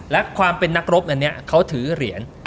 และนักรบนั้นนี้เขาถือเหรียญ